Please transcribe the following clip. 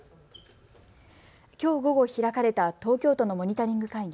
きょう午後開かれた東京都のモニタリング会議。